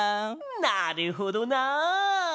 なるほどなあ。